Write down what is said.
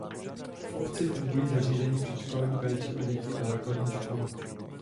V obci fungují zařízení předškolní péče o děti a základní škola.